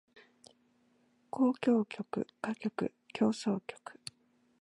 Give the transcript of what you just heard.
交響曲歌曲協奏曲